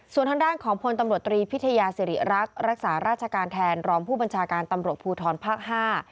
ส่วนทางด้านของพลตำรวจตรีพิทยาศิริรักษ์รักษาราชการแทนรองผู้บัญชาการตำรวจภูทรภาคห้า